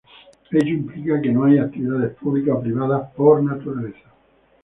Ello implica que no hay actividades públicas o privadas por naturaleza.